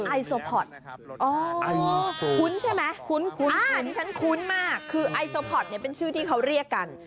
อีโซพอตคุ้นใช่มะคุ้นดิฉันคุ้นมากคือไอโซพอตเป็นชื่อที่เขาเรียกกัน